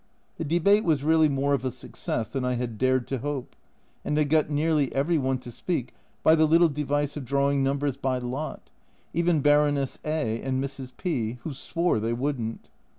The Debate was really more of a success than I had dared to hope, and I got nearly every one to speak by the little device of drawing numbers by lot, even Baroness d'A and Mrs. P , who swore they wouldn't.